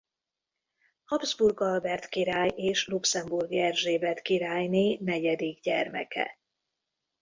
Habsburg Albert király és Luxemburgi Erzsébet királyné negyedik gyermeke.